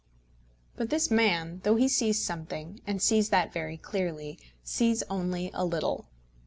But this man, though he sees something, and sees that very clearly, sees only a little.